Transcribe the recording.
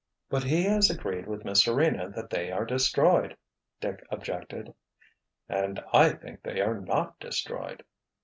"But he has agreed with Miss Serena that they are destroyed," Dick objected. "And I think they are not destroyed!"